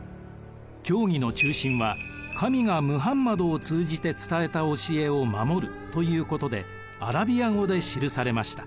教義の中心は神がムハンマドを通じて伝えた教えを守るということでアラビア語で記されました。